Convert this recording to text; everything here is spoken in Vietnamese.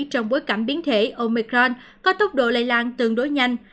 trong bối cảnh biến thể omicron có tốc độ lây lan tương đối nhanh